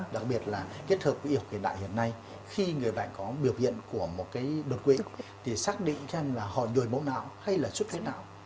đặc biệt là kết hợp với y học hiện đại hiện nay khi người bạch có biểu hiện của một cái đồ quỵ thì xác định xem là họ nổi mẫu nào hay là suốt thế nào